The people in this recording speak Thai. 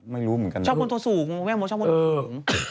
ไม่รู้เหมือนกันนะชอบคนที่สูงแม่งโม้ชอบคนที่สูง